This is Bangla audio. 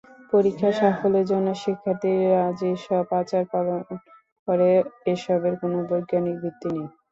পরীক্ষায় সাফল্যের জন্য শিক্ষার্থীরা যেসব আচার পালন করে, এসবের কোনো বৈজ্ঞানিক ভিত্তি নেই।